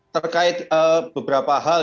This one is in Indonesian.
terkait beberapa hal